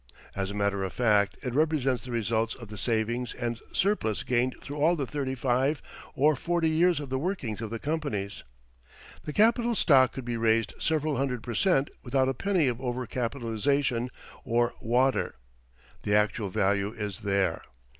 As a matter of fact, it represents the results of the savings and surplus gained through all the thirty five or forty years of the workings of the companies. The capital stock could be raised several hundred per cent. without a penny of over capitalization or "water"; the actual value is there.